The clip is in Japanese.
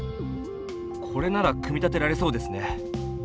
これなら組み立てられそうですね。